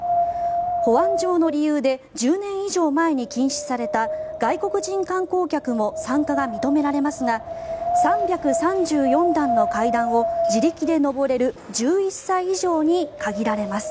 保安上の理由で１０年以上前に禁止された外国人観光客も参加が認められますが３３４段の階段を自力で上れる１１歳以上に限られます。